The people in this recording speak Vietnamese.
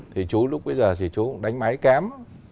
thì chú lúc bây giờ thì chú cũng đánh máy kém